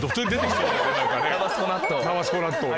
タバスコ納豆ね。